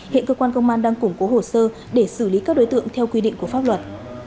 hiện cơ quan công an đang củng cố hồ sơ để xử lý các đối tượng theo quy định của pháp luật